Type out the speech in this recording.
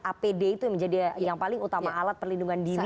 apd itu yang menjadi yang paling utama alat perlindungan diri